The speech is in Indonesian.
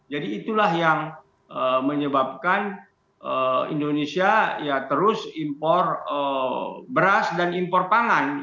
jadi itulah yang menyebabkan indonesia terus impor beras dan impor pangan